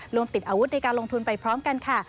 ติดอาวุธในการลงทุนไปพร้อมกันค่ะ